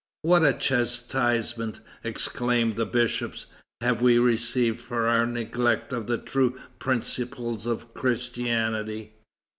"What a chastisement," exclaim the bishops, "have we received for our neglect of the true principles of Christianity!